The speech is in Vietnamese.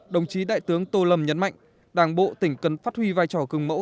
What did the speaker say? đồng chí đại tướng tô lâm nhấn mạnh đảng bộ tỉnh cần phát huy vai trò cưng mẫu